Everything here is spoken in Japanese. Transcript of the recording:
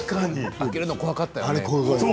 開けるの怖かったよね。